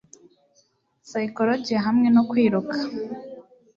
psychologiya hamwe no kwiruka.